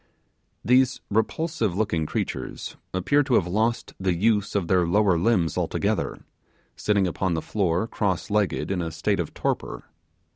These repulsive looking creatures appeared to have lost the use of their lower limbs altogether; sitting upon the floor cross legged in a state of torpor.